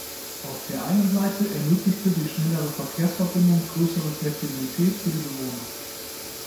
Auf der einen Seite ermöglichte die schnellere Verkehrsverbindung größere Flexibilität für die Bewohner.